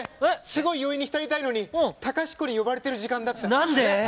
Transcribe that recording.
すごい余韻に浸りたいのに隆子に呼ばれてる時間だった。